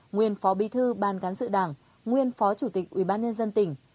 nguyên phó bí thư ban cán sự đảng nguyên phó chủ tịch ủy ban nhân dân tỉnh